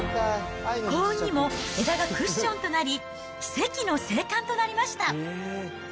幸運にも、枝がクッションとなり、奇跡の生還となりました。